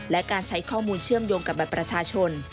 และการใช้ข้อมูลเชื่อมโยงกับบัตรประชาชน